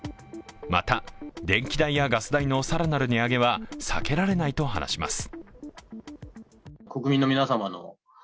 また、電気代やガス代の更なる値上げは避けられないと話します。